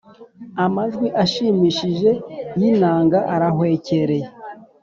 amajwi ashimishije y’inanga arahwekereye.